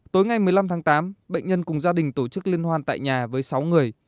tối ngày một mươi năm tháng tám bệnh nhân cùng gia đình tổ chức liên hoan tại nhà với sáu người